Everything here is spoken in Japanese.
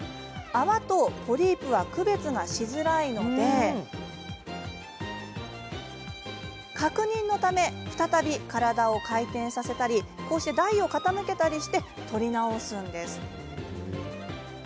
泡とポリープは区別がしづらいので確認のため再び体を回転させたり台を傾けたりして撮り直すんです。